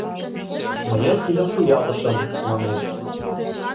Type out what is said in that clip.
Мыет кидым шуялтышым, манеш.